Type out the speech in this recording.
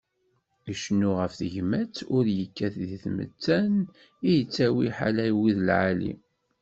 Icennu γef tegmat u yekkat di tmettan i yettawin ḥala wid lεali.